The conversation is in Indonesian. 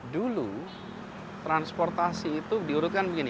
dulu transportasi itu diurutkan begini